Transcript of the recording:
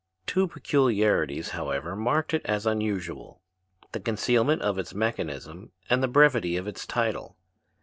Two peculiarities, however, marked it as unusual the concealment of its mechanism and the brevity of its title.